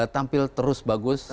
tampil terus bagus